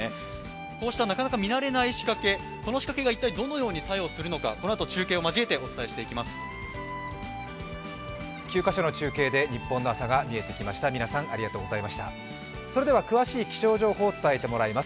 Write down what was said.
こうしたなかなか見慣れない仕掛けこの仕掛けが一体どのように作用するのか、このあと中継を交えてお伝えしていきます。